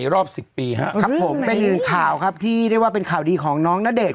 รอบสิบปีครับครับผมเป็นข่าวครับที่เรียกว่าเป็นข่าวดีของน้องณเดชน